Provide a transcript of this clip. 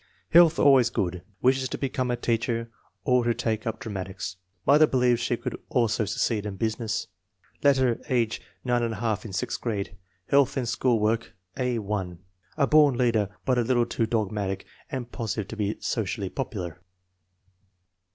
Health always good. Wishes to become a teacher or to take up dramatics. Mother believes she could also succeed in business. Later, age 9$, in sixth grade. Health and school work A l. "A born leader, but a little too dogmatic and positive to be socially popular."